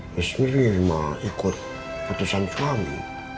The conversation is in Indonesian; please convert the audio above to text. bismillah ikut keputusan suami